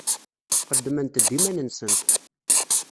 Qeddment-d iman-nsent.